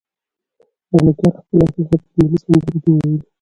ملکیار خپل احساسات په ملي سندرو کې ویلي.